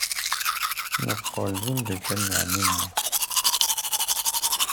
Neqqel d imeddukal n ɛemmi Muḥ.